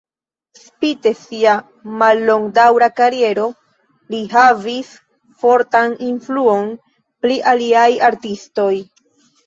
Spite sia mallongdaŭra kariero, li havis fortan influon pli aliaj artistoj.